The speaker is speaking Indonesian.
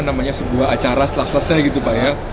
namanya sebuah acara setelah selesai gitu pak ya